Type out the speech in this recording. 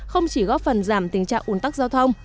không chỉ góp phần giảm tình trạng ủn tắc giao thông